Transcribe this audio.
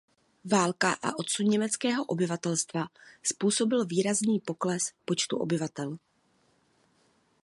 Válka a odsun německého obyvatelstva způsobil výrazný pokles počtu obyvatel.